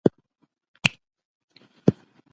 پوهه لرونکې مور ماشوم واکسین ته بیايي.